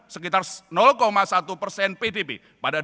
sekitar satu persen pdb pada dua ribu dua puluh